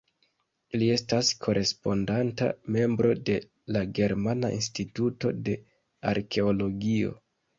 Li estas Korespondanta Membro de la Germana Instituto de Arkeologio.